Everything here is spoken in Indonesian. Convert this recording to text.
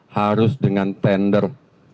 harus dengan tender